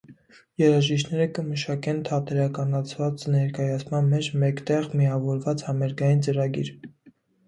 Երաժիշտները կը մշակեն թատերականացուած ներկայացման մէջ մէկտեղ միաւորուած համերգային ծրագիր։